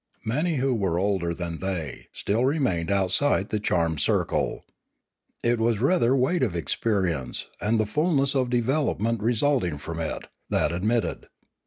Many who were older than they still remained outside the charmed circle. It was rather weight of experience, and the fulness of development resulting from it, that admitted.